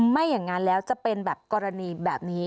ไม่อย่างนั้นแล้วจะเป็นแบบกรณีแบบนี้